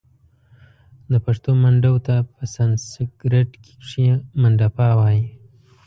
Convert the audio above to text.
د پښتو منډو Mandaw ته په سنسیکرت کښې Mandapa وايي